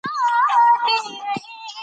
د روغتیا ساتنه جهاد دی.